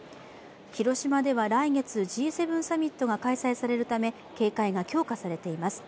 広島では来月Ｇ７サミットが開催されるため警戒が強化されています。